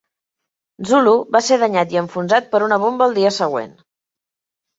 "Zulu" va ser danyat i enfonsat per una bomba al dia següent.